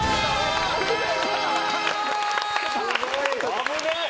危ない。